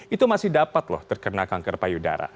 itu masih dapat loh terkena kanker payudara